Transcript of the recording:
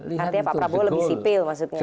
artinya pak prabowo lebih sipil maksudnya